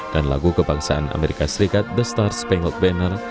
dan lagu kebangsaan amerika serikat the star spangled banner